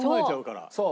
そう！